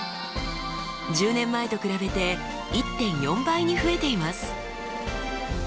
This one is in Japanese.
１０年前と比べて１．４倍に増えています。